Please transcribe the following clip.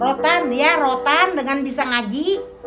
rotan dia rotan dengan bisa ngaji